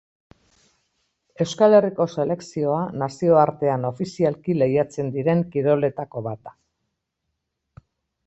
Euskal Herriko selekzioa nazioartean ofizialki lehiatzen diren kiroletako bat da.